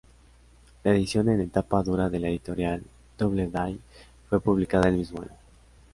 La edición en tapa dura de la editorial Doubleday fue publicada el mismo año.